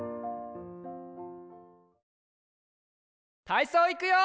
たいそういくよ！